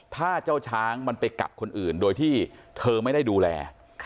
ถ้าเจ้าช้างมันไปกัดคนอื่นโดยที่เธอไม่ได้ดูแล